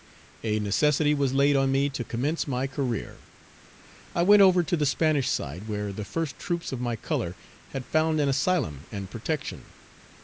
A necessity was laid on me to commence my career. I went over to the Spanish side, where the first troops of my color had found an asylum and protection.